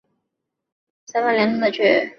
三番两次的去